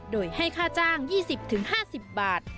โดยให้ค่าจ้าง๒๐๕๐บาท